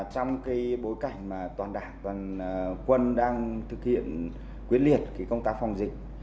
trong bối cảnh toàn đảng quân đang thực hiện quyết liệt công tác phòng dịch